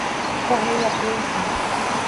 Correia Pinto